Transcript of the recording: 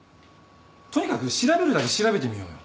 とにかく調べるだけ調べてみようよ。